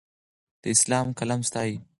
اسلام قلم ستایي.